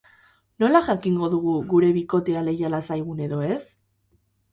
Nola jakingo dugu gure bikotea leiala zaigun edo ez?